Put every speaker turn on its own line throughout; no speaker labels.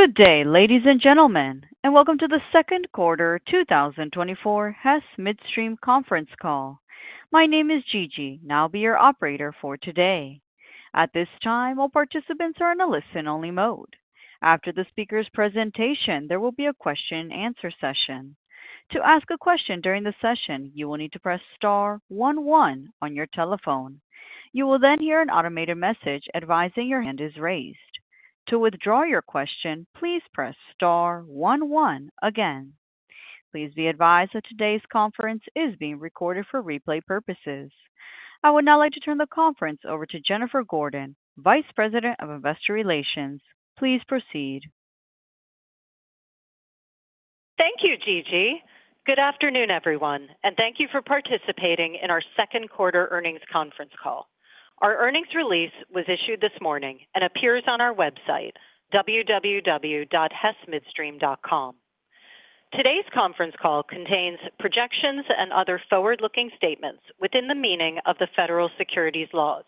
Good day, ladies and gentlemen, and welcome to the second quarter 2024 Hess Midstream conference call. My name is Gigi, and I'll be your operator for today. At this time, all participants are in a listen-only mode. After the speaker's presentation, there will be a question-and-answer session. To ask a question during the session, you will need to press star 11 on your telephone. You will then hear an automated message advising your hand is raised. To withdraw your question, please press star 11 again. Please be advised that today's conference is being recorded for replay purposes. I would now like to turn the conference over to Jennifer Gordon, Vice President of Investor Relations. Please proceed.
Thank you, Gigi. Good afternoon, everyone, and thank you for participating in our second quarter earnings conference call. Our earnings release was issued this morning and appears on our website, www.hessmidstream.com. Today's conference call contains projections and other forward-looking statements within the meaning of the federal securities laws.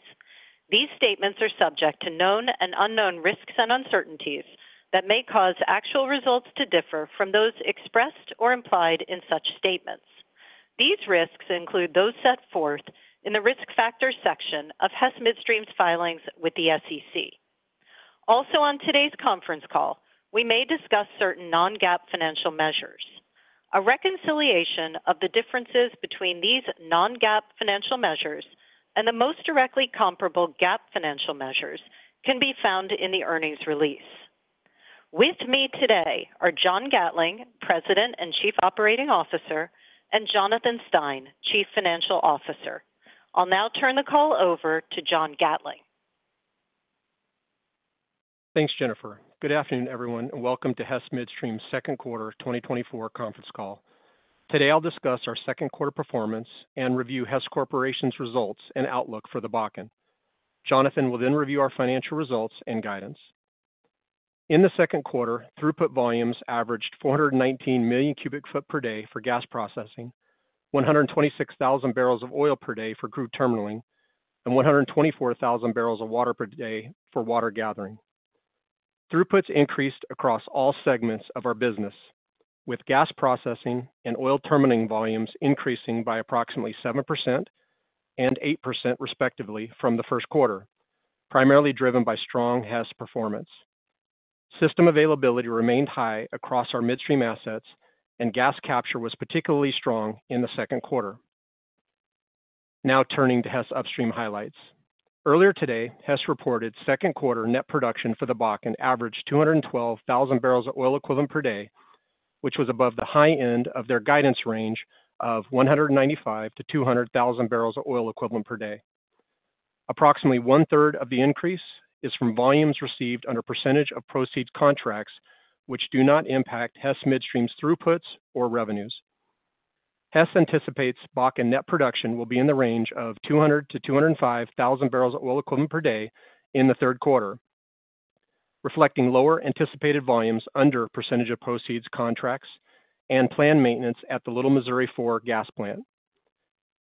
These statements are subject to known and unknown risks and uncertainties that may cause actual results to differ from those expressed or implied in such statements. These risks include those set forth in the risk factor section of Hess Midstream's filings with the SEC. Also, on today's conference call, we may discuss certain non-GAAP financial measures. A reconciliation of the differences between these non-GAAP financial measures and the most directly comparable GAAP financial measures can be found in the earnings release. With me today are John Gatling, President and Chief Operating Officer, and Jonathan Stein, Chief Financial Officer. I'll now turn the call over to John Gatling.
Thanks, Jennifer. Good afternoon, everyone, and welcome to Hess Midstream's second quarter 2024 conference call. Today, I'll discuss our second quarter performance and review Hess Corporation's results and outlook for the Bakken. Jonathan will then review our financial results and guidance. In the second quarter, throughput volumes averaged 419 million cubic feet per day for gas processing, 126,000 barrels of oil per day for crude terminaling, and 124,000 barrels of water per day for water gathering. Throughputs increased across all segments of our business, with gas processing and oil terminaling volumes increasing by approximately 7% and 8% respectively from the first quarter, primarily driven by strong Hess performance. System availability remained high across our midstream assets, and gas capture was particularly strong in the second quarter. Now turning to Hess Upstream highlights. Earlier today, Hess reported second quarter net production for the Bakken averaged 212,000 barrels of oil equivalent per day, which was above the high end of their guidance range of 195,000-200,000 barrels of oil equivalent per day. Approximately one-third of the increase is from volumes received under percentage of proceeds contracts, which do not impact Hess Midstream's throughputs or revenues. Hess anticipates Bakken net production will be in the range of 200,000-205,000 barrels of oil equivalent per day in the third quarter, reflecting lower anticipated volumes under percentage of proceeds contracts and planned maintenance at the Little Missouri 4 gas plant.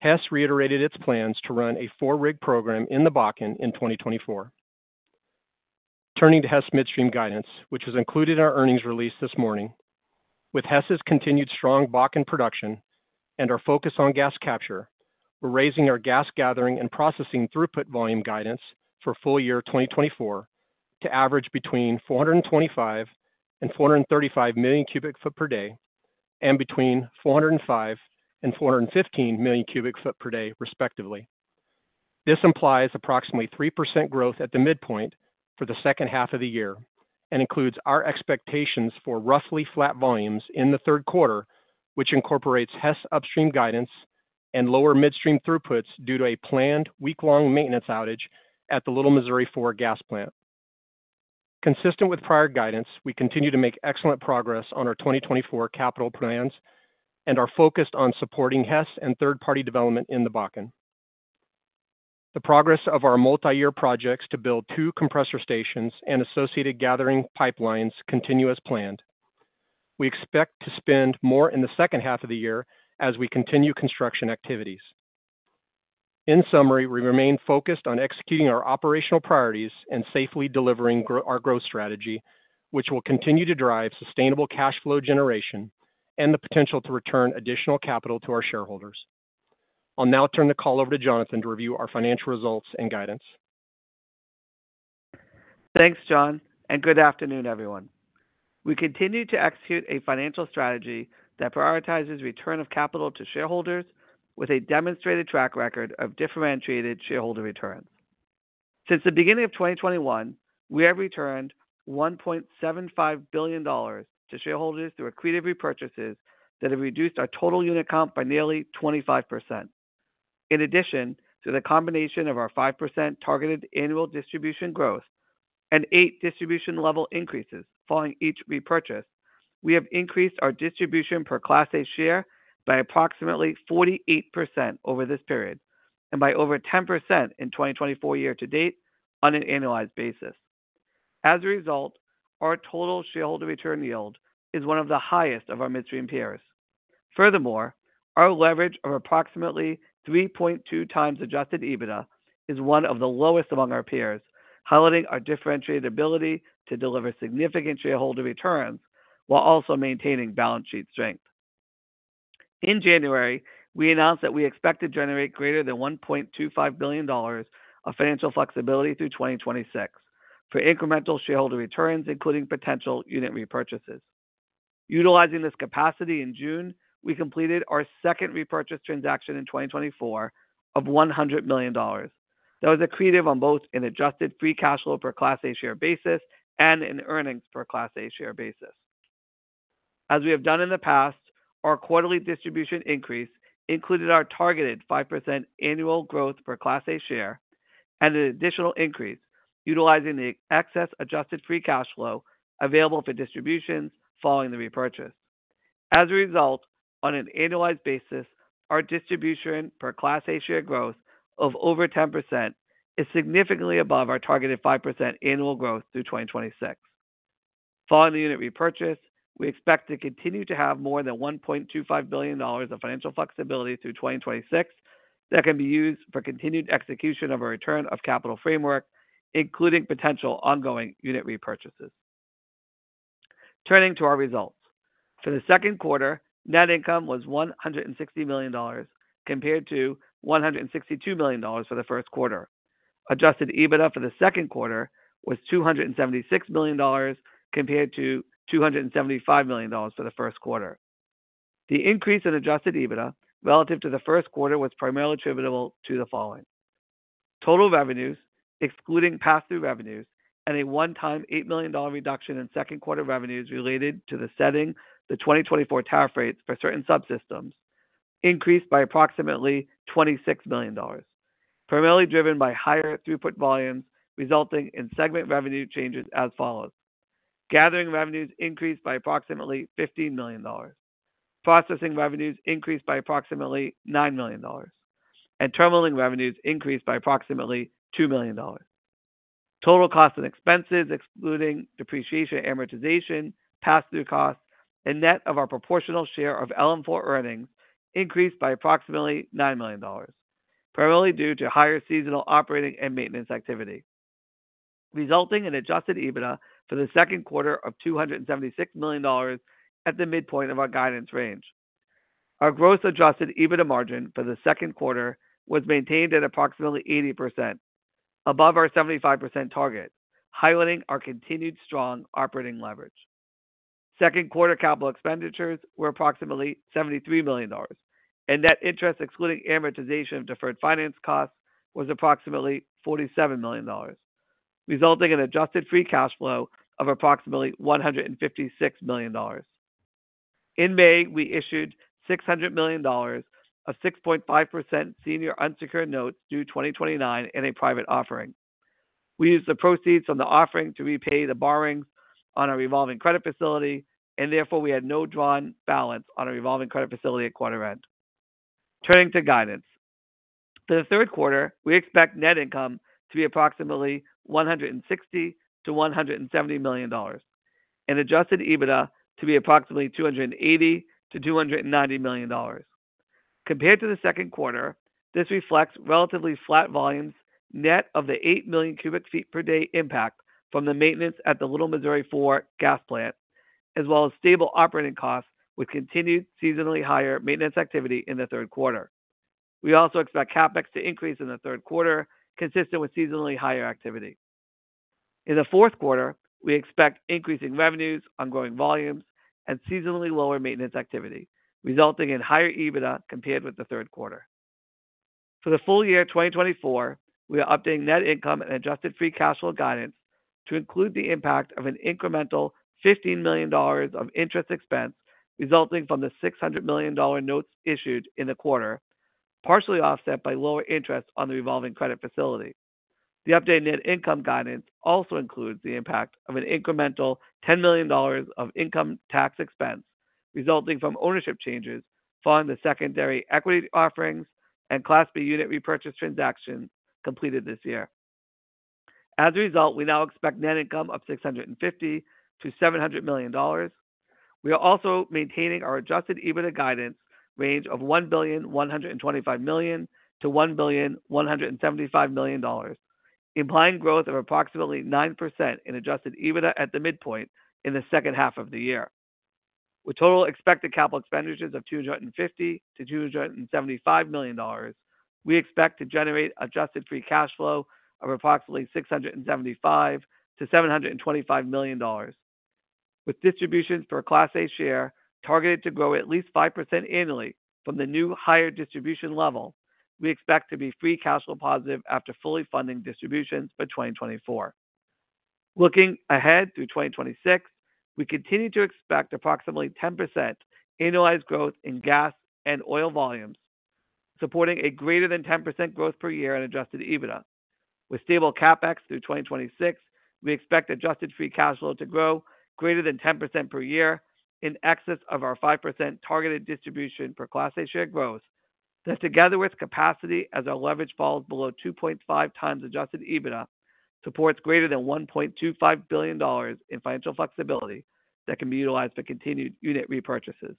Hess reiterated its plans to run a four-rig program in the Bakken in 2024. Turning to Hess Midstream guidance, which was included in our earnings release this morning, with Hess's continued strong Bakken production and our focus on gas capture, we're raising our gas gathering and processing throughput volume guidance for full year 2024 to average between 425 and 435 million cubic feet per day and between 405 and 415 million cubic feet per day, respectively. This implies approximately 3% growth at the midpoint for the second half of the year and includes our expectations for roughly flat volumes in the third quarter, which incorporates Hess Upstream guidance and lower midstream throughputs due to a planned week-long maintenance outage at the Little Missouri 4 gas plant. Consistent with prior guidance, we continue to make excellent progress on our 2024 capital plans and are focused on supporting Hess and third-party development in the Bakken. The progress of our multi-year projects to build two compressor stations and associated gathering pipelines continues as planned. We expect to spend more in the second half of the year as we continue construction activities. In summary, we remain focused on executing our operational priorities and safely delivering our growth strategy, which will continue to drive sustainable cash flow generation and the potential to return additional capital to our shareholders. I'll now turn the call over to Jonathan to review our financial results and guidance.
Thanks, John, and good afternoon, everyone. We continue to execute a financial strategy that prioritizes return of capital to shareholders with a demonstrated track record of differentiated shareholder returns. Since the beginning of 2021, we have returned $1.75 billion to shareholders through accretive repurchases that have reduced our total unit count by nearly 25%. In addition to the combination of our 5% targeted annual distribution growth and eight distribution level increases following each repurchase, we have increased our distribution per Class A share by approximately 48% over this period and by over 10% in 2024 year to date on an annualized basis. As a result, our total shareholder return yield is one of the highest of our midstream peers. Furthermore, our leverage of approximately 3.2x Adjusted EBITDA is one of the lowest among our peers, highlighting our differentiated ability to deliver significant shareholder returns while also maintaining balance sheet strength. In January, we announced that we expect to generate greater than $1.25 billion of financial flexibility through 2026 for incremental shareholder returns, including potential unit repurchases. Utilizing this capacity in June, we completed our second repurchase transaction in 2024 of $100 million. That was accretive on both an Adjusted Free Cash Flow per Class A share basis and an earnings per Class A share basis. As we have done in the past, our quarterly distribution increase included our targeted 5% annual growth per Class A share and an additional increase utilizing the excess Adjusted Free Cash Flow available for distributions following the repurchase. As a result, on an annualized basis, our distribution per Class A share growth of over 10% is significantly above our targeted 5% annual growth through 2026. Following the unit repurchase, we expect to continue to have more than $1.25 billion of financial flexibility through 2026 that can be used for continued execution of our return of capital framework, including potential ongoing unit repurchases. Turning to our results, for the second quarter, net income was $160 million compared to $162 million for the first quarter. Adjusted EBITDA for the second quarter was $276 million compared to $275 million for the first quarter. The increase in Adjusted EBITDA relative to the first quarter was primarily attributable to the following: total revenues, excluding pass-through revenues, and a one-time $8 million reduction in second quarter revenues related to the setting of the 2024 tariff rates for certain subsystems increased by approximately $26 million, primarily driven by higher throughput volumes resulting in segment revenue changes as follows: gathering revenues increased by approximately $15 million, processing revenues increased by approximately $9 million, and terminaling revenues increased by approximately $2 million. Total costs and expenses, excluding depreciation and amortization, pass-through costs, and net of our proportional share of LM4 earnings, increased by approximately $9 million, primarily due to higher seasonal operating and maintenance activity, resulting in Adjusted EBITDA for the second quarter of $276 million at the midpoint of our guidance range. Our gross adjusted EBITDA margin for the second quarter was maintained at approximately 80%, above our 75% target, highlighting our continued strong operating leverage. Second quarter capital expenditures were approximately $73 million, and net interest excluding amortization of deferred finance costs was approximately $47 million, resulting in adjusted free cash flow of approximately $156 million. In May, we issued $600 million of 6.5% senior unsecured notes due 2029 in a private offering. We used the proceeds from the offering to repay the borrowings on our revolving credit facility, and therefore we had no drawn balance on our revolving credit facility at quarter end. Turning to guidance, for the third quarter, we expect net income to be approximately $160-$170 million and adjusted EBITDA to be approximately $280-$290 million. Compared to the second quarter, this reflects relatively flat volumes net of the 8 million cubic feet per day impact from the maintenance at the Little Missouri 4 gas plant, as well as stable operating costs with continued seasonally higher maintenance activity in the third quarter. We also expect CapEx to increase in the third quarter, consistent with seasonally higher activity. In the fourth quarter, we expect increasing revenues, ongoing volumes, and seasonally lower maintenance activity, resulting in higher EBITDA compared with the third quarter. For the full year 2024, we are updating net income and adjusted free cash flow guidance to include the impact of an incremental $15 million of interest expense resulting from the $600 million notes issued in the quarter, partially offset by lower interest on the revolving credit facility. The updated net income guidance also includes the impact of an incremental $10 million of income tax expense resulting from ownership changes following the secondary equity offerings and Class B unit repurchase transactions completed this year. As a result, we now expect net income of $650-$700 million. We are also maintaining our Adjusted EBITDA guidance range of $1,125-$1,175 million, implying growth of approximately 9% in Adjusted EBITDA at the midpoint in the second half of the year. With total expected capital expenditures of $250-$275 million, we expect to generate Adjusted Free Cash Flow of approximately $675-$725 million, with distributions for a Class A share targeted to grow at least 5% annually from the new higher distribution level. We expect to be free cash flow positive after fully funding distributions for 2024. Looking ahead through 2026, we continue to expect approximately 10% annualized growth in gas and oil volumes, supporting a greater than 10% growth per year in Adjusted EBITDA. With stable CapEx through 2026, we expect Adjusted Free Cash Flow to grow greater than 10% per year in excess of our 5% targeted distribution per Class A Share growth that, together with capacity as our leverage falls below 2.5 times Adjusted EBITDA, supports greater than $1.25 billion in financial flexibility that can be utilized for continued unit repurchases.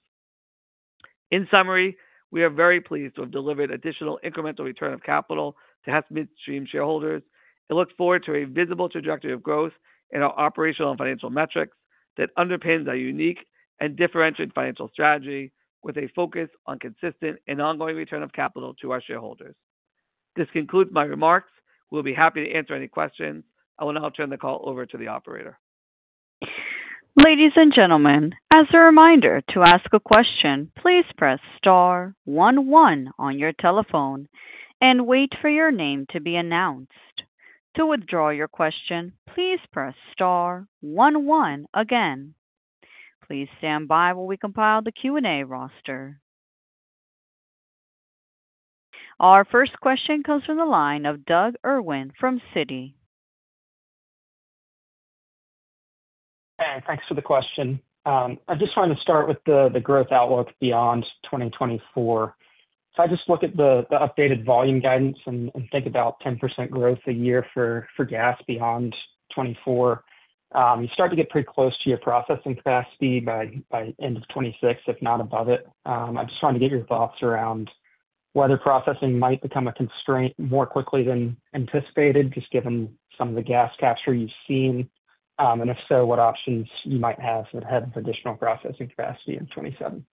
In summary, we are very pleased to have delivered additional incremental return of capital to Hess Midstream shareholders and look forward to a visible trajectory of growth in our operational and financial metrics that underpins our unique and differentiated financial strategy with a focus on consistent and ongoing return of capital to our shareholders. This concludes my remarks. We'll be happy to answer any questions. I will now turn the call over to the operator.
Ladies and gentlemen, as a reminder to ask a question, please press star 11 on your telephone and wait for your name to be announced. To withdraw your question, please press star 11 again. Please stand by while we compile the Q&A roster. Our first question comes from the line of Doug Irwin from Citi.
Hey, thanks for the question. I just wanted to start with the growth outlook beyond 2024. If I just look at the updated volume guidance and think about 10% growth a year for gas beyond 2024, you start to get pretty close to your processing capacity by the end of 2026, if not above it. I'm just trying to get your thoughts around whether processing might become a constraint more quickly than anticipated, just given some of the gas capture you've seen, and if so, what options you might have ahead of additional processing capacity in 2027.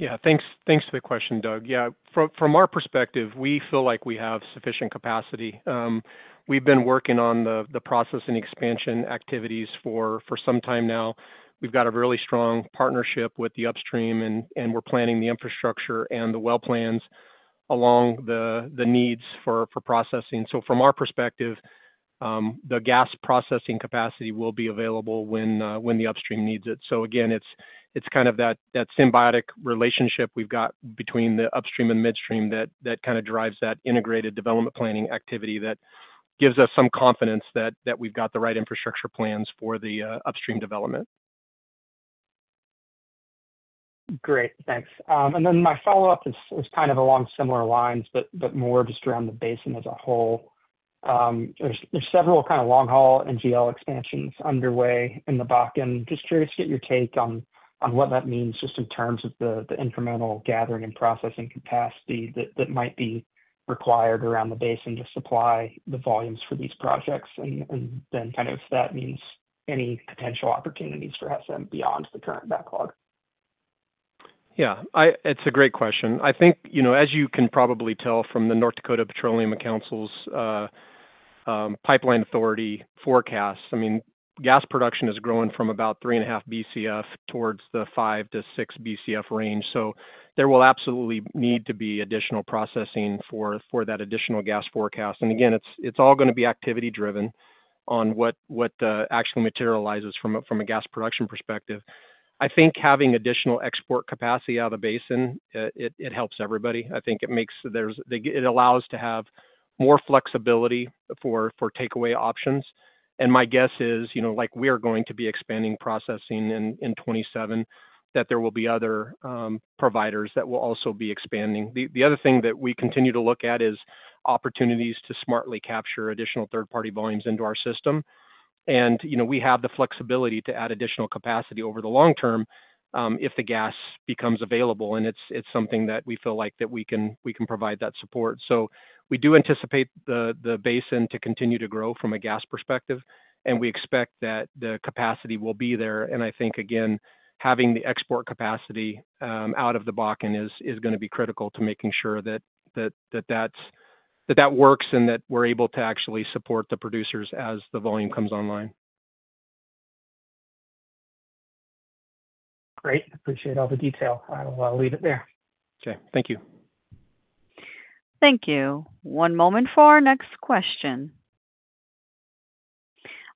Yeah, thanks for the question, Doug. Yeah, from our perspective, we feel like we have sufficient capacity. We've been working on the processing expansion activities for some time now. We've got a really strong partnership with the upstream, and we're planning the infrastructure and the well plans along the needs for processing. So from our perspective, the gas processing capacity will be available when the upstream needs it. So again, it's kind of that symbiotic relationship we've got between the upstream and midstream that kind of drives that integrated development planning activity that gives us some confidence that we've got the right infrastructure plans for the upstream development.
Great, thanks. And then my follow-up is kind of along similar lines, but more just around the basin as a whole. There's several kind of long-haul NGL expansions underway in the Bakken, and just curious to get your take on what that means just in terms of the incremental gathering and processing capacity that might be required around the basin to supply the volumes for these projects, and then kind of if that means any potential opportunities for Hess beyond the current backlog.
Yeah, it's a great question. I think, as you can probably tell from the North Dakota Petroleum Council and Pipeline Authority forecasts, I mean, gas production is growing from about 3.5 BCF towards the 5-6 BCF range. So there will absolutely need to be additional processing for that additional gas forecast. And again, it's all going to be activity-driven on what actually materializes from a gas production perspective. I think having additional export capacity out of the basin, it helps everybody. I think it allows to have more flexibility for takeaway options. And my guess is, like we are going to be expanding processing in 2027, that there will be other providers that will also be expanding. The other thing that we continue to look at is opportunities to smartly capture additional third-party volumes into our system. And we have the flexibility to add additional capacity over the long term if the gas becomes available, and it's something that we feel like that we can provide that support. So we do anticipate the basin to continue to grow from a gas perspective, and we expect that the capacity will be there. And I think, again, having the export capacity out of the Bakken is going to be critical to making sure that that works and that we're able to actually support the producers as the volume comes online.
Great, appreciate all the detail. I'll leave it there.
Okay, thank you.
Thank you. One moment for our next question.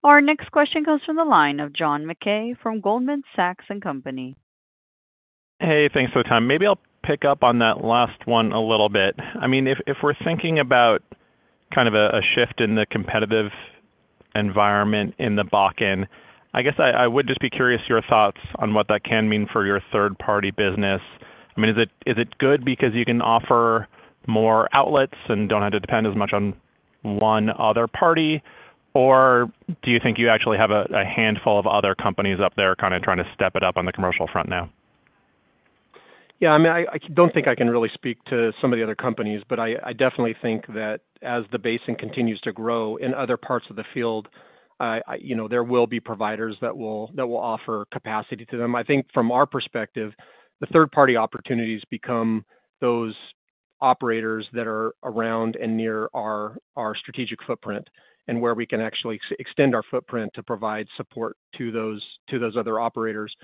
Our next question comes from the line of John Mackay from Goldman Sachs and Company.
Hey, thanks for the time. Maybe I'll pick up on that last one a little bit. I mean, if we're thinking about kind of a shift in the competitive environment in the Bakken, I guess I would just be curious your thoughts on what that can mean for your third-party business. I mean, is it good because you can offer more outlets and don't have to depend as much on one other party, or do you think you actually have a handful of other companies up there kind of trying to step it up on the commercial front now?
Yeah, I mean, I don't think I can really speak to some of the other companies, but I definitely think that as the basin continues to grow in other parts of the field, there will be providers that will offer capacity to them. I think from our perspective, the third-party opportunities become those operators that are around and near our strategic footprint and where we can actually extend our footprint to provide support to those other operators.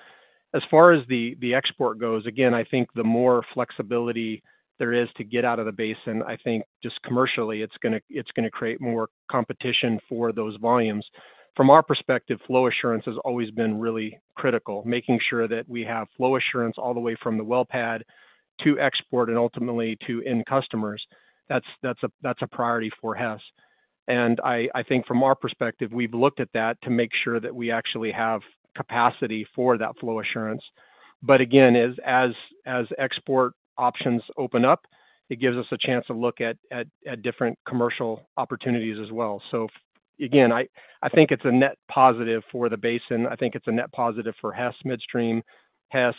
As far as the export goes, again, I think the more flexibility there is to get out of the basin, I think just commercially, it's going to create more competition for those volumes. From our perspective, flow assurance has always been really critical. Making sure that we have flow assurance all the way from the well pad to export and ultimately to end customers, that's a priority for Hess. I think from our perspective, we've looked at that to make sure that we actually have capacity for that flow assurance. Again, as export options open up, it gives us a chance to look at different commercial opportunities as well. Again, I think it's a net positive for the basin. I think it's a net positive for Hess Midstream, Hess,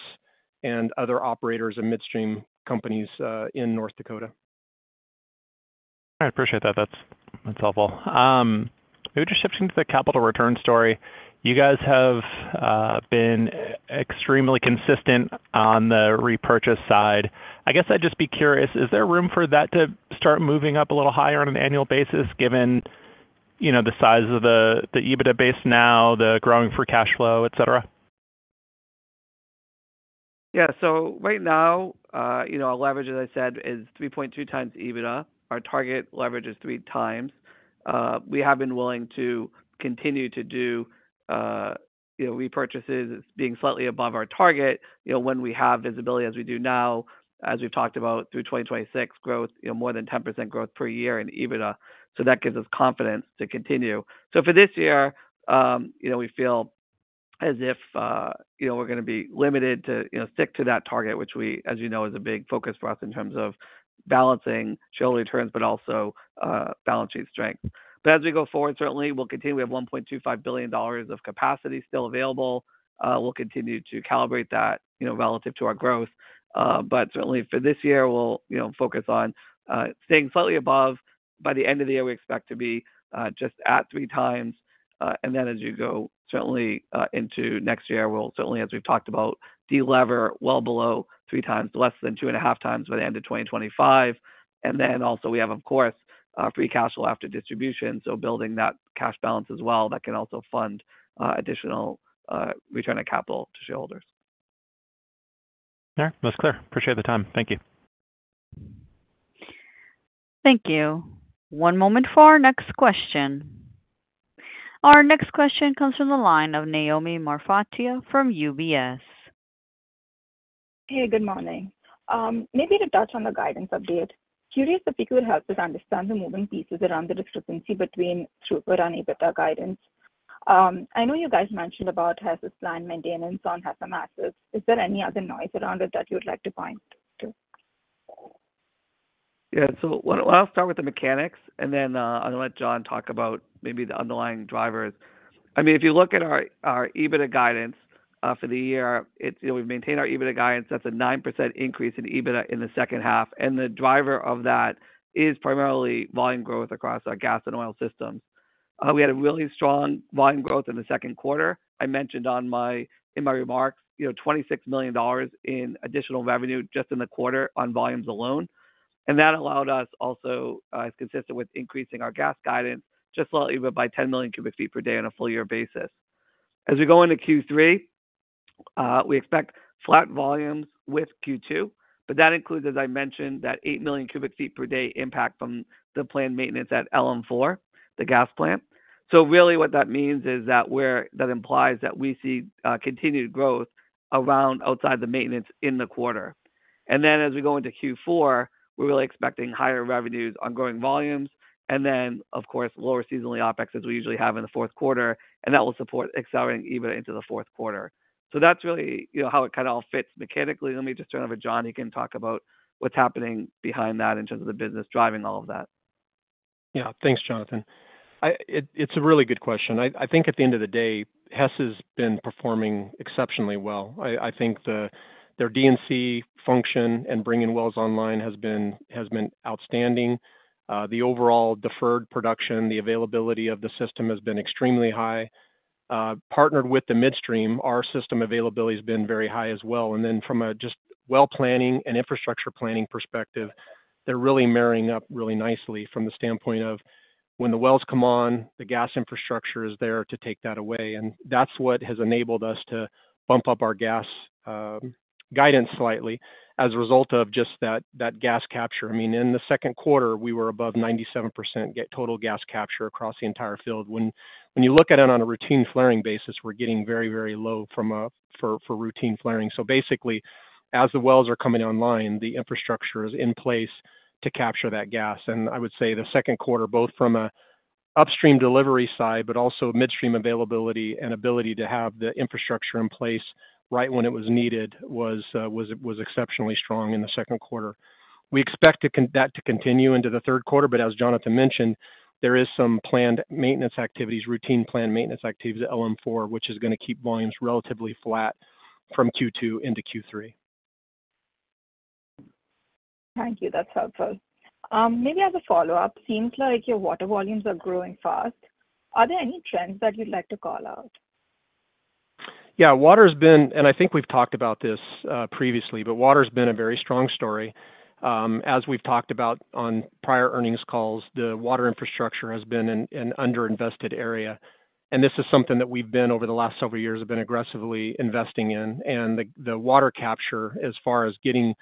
and other operators and midstream companies in North Dakota.
I appreciate that. That's helpful. Maybe just shifting to the capital return story. You guys have been extremely consistent on the repurchase side. I guess I'd just be curious, is there room for that to start moving up a little higher on an annual basis given the size of the EBITDA base now, the growing free cash flow, etc.?
Yeah, so right now, our leverage, as I said, is 3.2x EBITDA. Our target leverage is 3x. We have been willing to continue to do repurchases being slightly above our target when we have visibility as we do now, as we've talked about through 2026, growth, more than 10% growth per year in EBITDA. So that gives us confidence to continue. So for this year, we feel as if we're going to be limited to stick to that target, which we, as you know, is a big focus for us in terms of balancing shareholder returns, but also balance sheet strength. But as we go forward, certainly, we'll continue. We have $1.25 billion of capacity still available. We'll continue to calibrate that relative to our growth. But certainly, for this year, we'll focus on staying slightly above. By the end of the year, we expect to be just at 3x. And then as you go certainly into next year, we'll certainly, as we've talked about, delever well below 3x, less than 2.5x by the end of 2025. And then also we have, of course, free cash flow after distribution. So building that cash balance as well, that can also fund additional return of capital to shareholders.
Okay, that's clear. Appreciate the time. Thank you.
Thank you. One moment for our next question. Our next question comes from the line of Naomi Marfatia from UBS.
Hey, good morning. Maybe to touch on the guidance update. Curious if you could help us understand the moving pieces around the discrepancy between throughput and EBITDA guidance. I know you guys mentioned about Hess's planned maintenance on Hess assets. Is there any other noise around it that you'd like to point to?
Yeah, so I'll start with the mechanics, and then I'll let John talk about maybe the underlying drivers. I mean, if you look at our EBITDA guidance for the year, we've maintained our EBITDA guidance. That's a 9% increase in EBITDA in the second half. And the driver of that is primarily volume growth across our gas and oil systems. We had a really strong volume growth in the second quarter. I mentioned in my remarks, $26 million in additional revenue just in the quarter on volumes alone. And that allowed us also, it's consistent with increasing our gas guidance just slightly by 10 million cubic feet per day on a full year basis. As we go into Q3, we expect flat volumes with Q2, but that includes, as I mentioned, that 8 million cubic feet per day impact from the planned maintenance at LM4, the gas plant. So really what that means is that that implies that we see continued growth around outside the maintenance in the quarter. And then as we go into Q4, we're really expecting higher revenues on growing volumes, and then, of course, lower seasonally OpEx as we usually have in the fourth quarter, and that will support accelerating EBITDA into the fourth quarter. So that's really how it kind of all fits mechanically. Let me just turn it over to John. He can talk about what's happening behind that in terms of the business driving all of that.
Yeah, thanks, Jonathan. It's a really good question. I think at the end of the day, Hess has been performing exceptionally well. I think their D&C function and bringing wells online has been outstanding. The overall deferred production, the availability of the system has been extremely high. Partnered with the midstream, our system availability has been very high as well. And then from a just well planning and infrastructure planning perspective, they're really marrying up really nicely from the standpoint of when the wells come on, the gas infrastructure is there to take that away. And that's what has enabled us to bump up our gas guidance slightly as a result of just that gas capture. I mean, in the second quarter, we were above 97% total gas capture across the entire field. When you look at it on a routine flaring basis, we're getting very, very low for routine flaring. So basically, as the wells are coming online, the infrastructure is in place to capture that gas. And I would say the second quarter, both from an upstream delivery side, but also midstream availability and ability to have the infrastructure in place right when it was needed was exceptionally strong in the second quarter. We expect that to continue into the third quarter, but as Jonathan mentioned, there is some planned maintenance activities, routine planned maintenance activities at LM4, which is going to keep volumes relatively flat from Q2 into Q3.
Thank you. That's helpful. Maybe as a follow-up, it seems like your water volumes are growing fast. Are there any trends that you'd like to call out?
Yeah, water has been, and I think we've talked about this previously, but water has been a very strong story. As we've talked about on prior earnings calls, the water infrastructure has been an underinvested area. And this is something that we've been over the last several years been aggressively investing in. And the water capture, as far as getting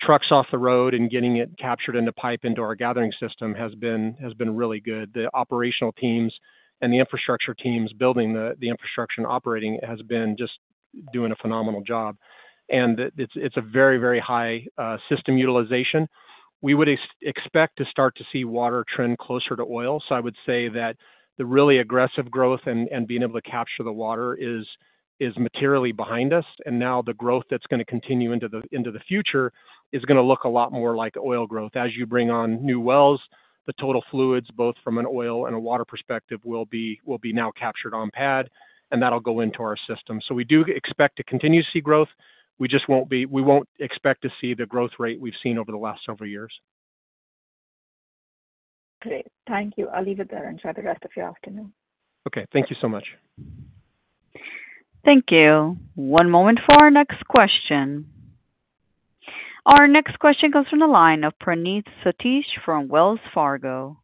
trucks off the road and getting it captured in the pipe into our gathering system, has been really good. The operational teams and the infrastructure teams building the infrastructure and operating have been just doing a phenomenal job. And it's a very, very high system utilization. We would expect to start to see water trend closer to oil. So I would say that the really aggressive growth and being able to capture the water is materially behind us. Now the growth that's going to continue into the future is going to look a lot more like oil growth. As you bring on new wells, the total fluids, both from an oil and a water perspective, will be now captured on pad, and that'll go into our system. We do expect to continue to see growth. We won't expect to see the growth rate we've seen over the last several years.
Great. Thank you. I'll leave it there and enjoy the rest of your afternoon.
Okay, thank you so much.
Thank you. One moment for our next question. Our next question comes from the line of Praneeth Satish from Wells Fargo.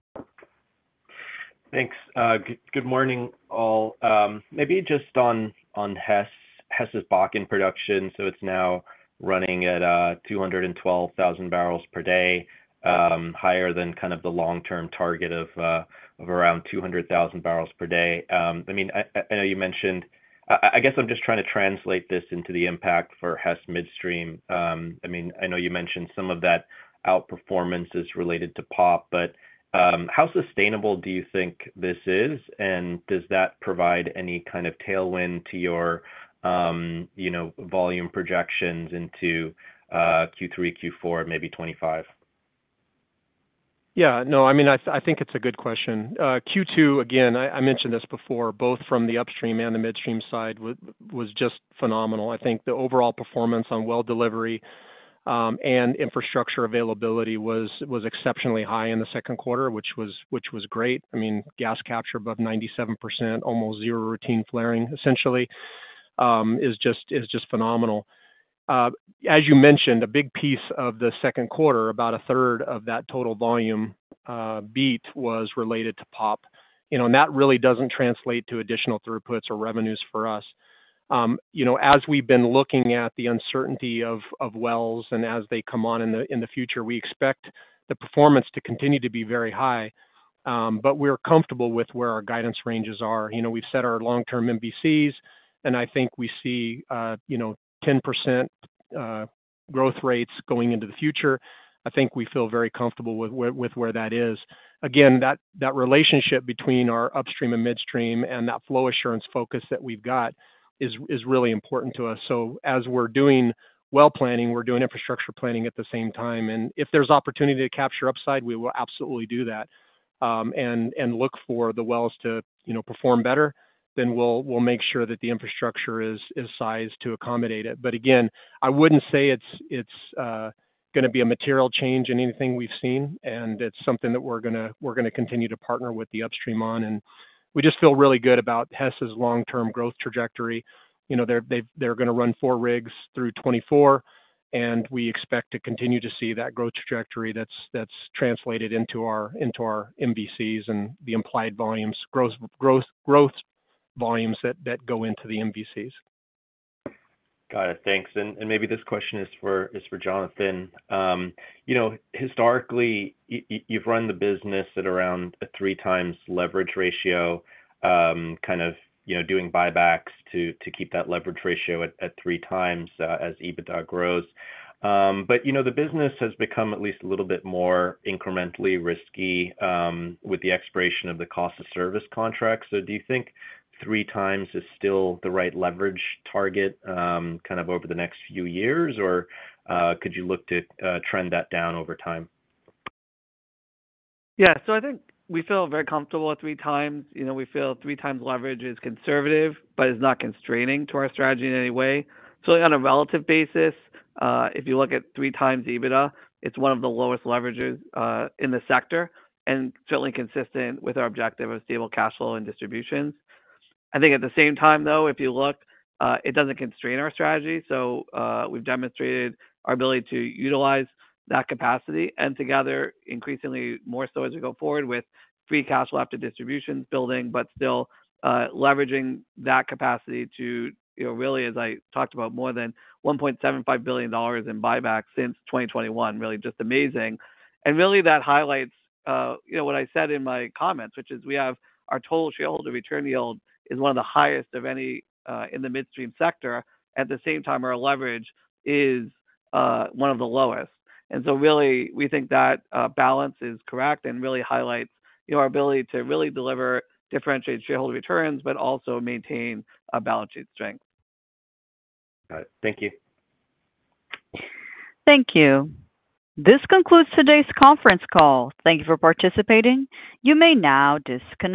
Thanks. Good morning, all. Maybe just on Hess's Bakken production. So it's now running at 212,000 barrels per day, higher than kind of the long-term target of around 200,000 barrels per day. I mean, I know you mentioned, I guess I'm just trying to translate this into the impact for Hess Midstream. I mean, I know you mentioned some of that outperformance is related to POP, but how sustainable do you think this is? And does that provide any kind of tailwind to your volume projections into Q3, Q4, maybe 2025?
Yeah, no, I mean, I think it's a good question. Q2, again, I mentioned this before, both from the upstream and the midstream side was just phenomenal. I think the overall performance on well delivery and infrastructure availability was exceptionally high in the second quarter, which was great. I mean, gas capture above 97%, almost zero routine flaring, essentially, is just phenomenal. As you mentioned, a big piece of the second quarter, about a third of that total volume beat was related to POP. And that really doesn't translate to additional throughputs or revenues for us. As we've been looking at the uncertainty of wells and as they come on in the future, we expect the performance to continue to be very high. But we're comfortable with where our guidance ranges are. We've set our long-term MVCs, and I think we see 10% growth rates going into the future. I think we feel very comfortable with where that is. Again, that relationship between our upstream and midstream and that flow assurance focus that we've got is really important to us. So as we're doing well planning, we're doing infrastructure planning at the same time. And if there's opportunity to capture upside, we will absolutely do that. And look for the wells to perform better, then we'll make sure that the infrastructure is sized to accommodate it. But again, I wouldn't say it's going to be a material change in anything we've seen, and it's something that we're going to continue to partner with the upstream on. And we just feel really good about Hess's long-term growth trajectory. They're going to run 4 rigs through 2024, and we expect to continue to see that growth trajectory that's translated into our MVCs and the implied volumes, growth volumes that go into the MVCs.
Got it. Thanks. And maybe this question is for Jonathan. Historically, you've run the business at around a 3x leverage ratio, kind of doing buybacks to keep that leverage ratio at 3x as EBITDA grows. But the business has become at least a little bit more incrementally risky with the expiration of the cost-of-service contracts. So do you think 3x is still the right leverage target kind of over the next few years, or could you look to trend that down over time?
Yeah, so I think we feel very comfortable with 3 times. We feel 3 times leverage is conservative, but it's not constraining to our strategy in any way. So on a relative basis, if you look at 3 times EBITDA, it's one of the lowest leverages in the sector and certainly consistent with our objective of stable cash flow and distributions. I think at the same time, though, if you look, it doesn't constrain our strategy. So we've demonstrated our ability to utilize that capacity and together, increasingly more so as we go forward with free cash left to distributions building, but still leveraging that capacity to really, as I talked about, more than $1.75 billion in buyback since 2021, really just amazing. And really that highlights what I said in my comments, which is we have our total shareholder return yield is one of the highest of any in the midstream sector. At the same time, our leverage is one of the lowest. And so really we think that balance is correct and really highlights our ability to really deliver differentiated shareholder returns, but also maintain a balance sheet strength.
Got it. Thank you.
Thank you. This concludes today's conference call. Thank you for participating. You may now disconnect.